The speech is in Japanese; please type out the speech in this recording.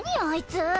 あいつ！